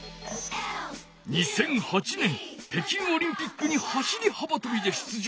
２００８年北京オリンピックに走りはばとびで出場。